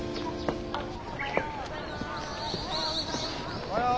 おはよう。